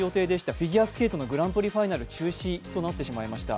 フィギュアスケートのグランプリファイナルが中止となってしまいました。